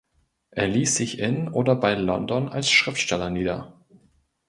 Er ließ sich in oder bei London als Schriftsteller nieder.